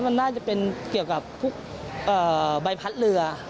มันน่าจะเป็นเกี่ยวกับพวกใบพัดเรือ